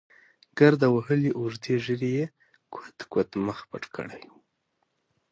ګرد وهلې اوږدې ږېرې یې کوت کوت مخ پټ کړی و.